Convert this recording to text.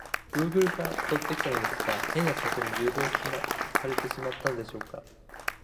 グーグルから辿ってきたのですが、変なサイトに誘導されてしまったのでしょうか？